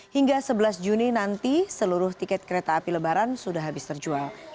hingga sebelas juni nanti seluruh tiket kereta api lebaran sudah habis terjual